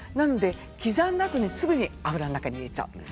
刻んだあとにすぐに油に入れちゃう。